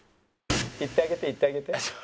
行ってあげて行ってあげて。